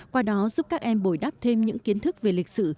qua đó giúp các em bồi đắp thêm những kiến thức về lịch sử